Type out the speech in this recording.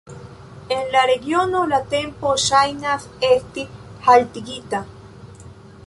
En la regiono la tempo ŝajnas esti haltigita.